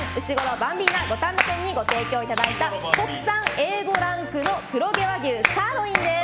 バンビーナ五反田店にご提供いただいた国産Ａ５ランク黒毛和牛サーロインです。